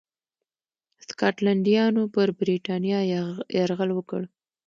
سکاټلنډیانو پر برېټانیا یرغل وکړ.